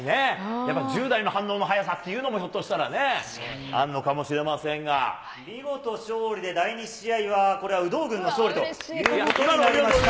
やっぱ１０代の反応の早さっていうのも、ひょっとしたらあるのか見事勝利で、第２試合はこれは有働軍の勝利ということになりました。